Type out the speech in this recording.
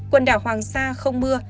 quần đảo hoàng sa không mưa